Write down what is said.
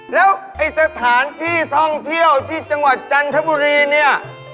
แล้วไอ้สถานที่ท่องเที่ยวที่จังหวัดจันทบุรีเนี่ย